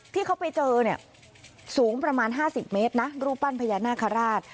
ที่เขาไปเจอเนี่ยสูงประมาณ๕๐เมตรนะรูปปั้นพญานาคาราช